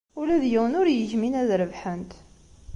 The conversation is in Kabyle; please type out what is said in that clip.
Ula d yiwen ur yegmin ad rebḥent.